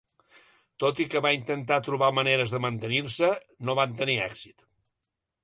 Tot i que va intentar trobar maneres de mantenir-se, no van tenir èxit.